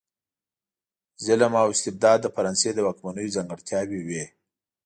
ظلم او استبداد د فرانسې د واکمنیو ځانګړتیاوې وې.